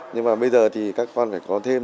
nhưng mà bây giờ thì các con phải có thêm